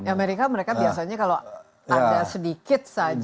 amerika mereka biasanya kalau ada sedikit saja